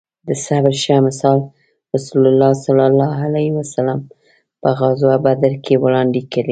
د صبر ښه مثال رسول الله ص په غزوه بدر کې وړاندې کړی